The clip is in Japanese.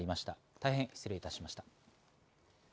大変失礼いたしました。